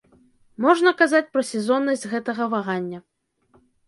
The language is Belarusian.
Можна казаць пра сезоннасць гэтага вагання.